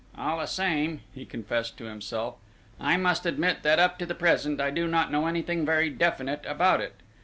"All the same," he confessed to himself, "I must admit that, up to the present, I do not know anything very definite about it.